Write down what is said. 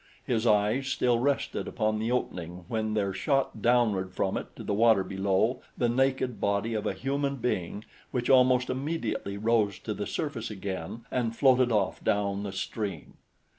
His eyes still rested upon the opening when there shot downward from it to the water below the naked body of a human being which almost immediately rose to the surface again and floated off down the stream.